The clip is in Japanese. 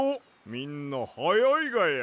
みんなはやいがや。